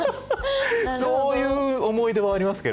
そういう思い出はありますけれどもね。